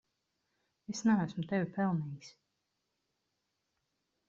Es neesmu tevi pelnījis.